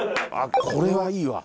これはいいわ。